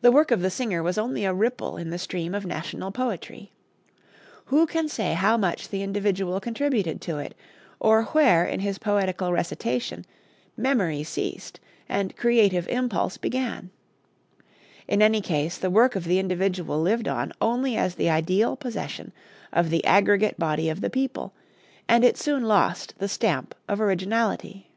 The work of the singer was only a ripple in the stream of national poetry. Who can say how much the individual contributed to it, or where in his poetical recitation memory ceased and creative impulse began! In any case the work of the individual lived on only as the ideal possession of the aggregate body of the people, and it soon lost the stamp of originality."